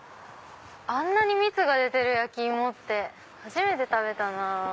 あんなに蜜が出てる焼き芋って初めて食べたなぁ。